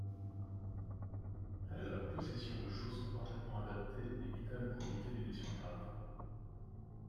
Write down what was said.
La possession de chaussons parfaitement adaptés est vitale pour éviter des blessures graves.